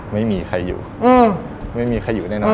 ไม่มีใครอยู่ไม่มีใครอยู่แน่นอน